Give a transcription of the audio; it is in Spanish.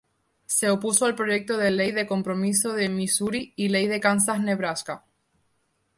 Se opuso al proyecto de ley de Compromiso de Misuri y Ley de Kansas-Nebraska.